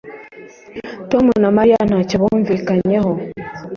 Tom na Mariya ntacyo bumvikanyeho